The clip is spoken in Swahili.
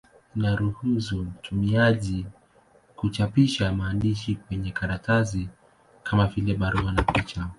Inaruhusu mtumiaji kuchapisha maandishi kwenye karatasi, kama vile barua na picha.